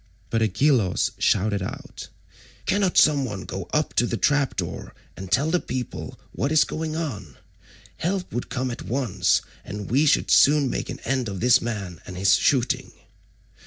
But Agelaus shouted out, "Cannot some one go up to the trap door and tell the people what is going on? Help would come at once, and we should soon make an end of this man and his shooting."